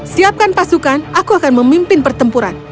siapkan pasukan aku akan memimpin pertempuran